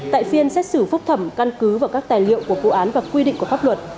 tại phiên xét xử phúc thẩm căn cứ vào các tài liệu của vụ án và quy định của pháp luật